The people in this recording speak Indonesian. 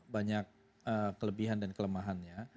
banyak kelebihan dan kelemahannya